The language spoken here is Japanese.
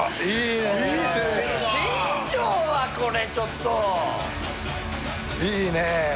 いいねえ。